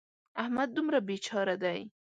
احمد دومره بې چاره دی.